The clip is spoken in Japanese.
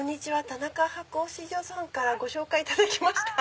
田中箔押所さんからご紹介いただきました。